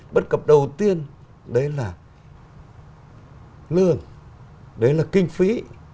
bất cập đầu tiên đấy là lương đấy là kinh phí